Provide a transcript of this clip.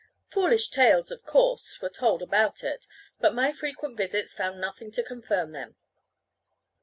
Foolish tales, of course, were told about it; but my frequent visits found nothing to confirm them.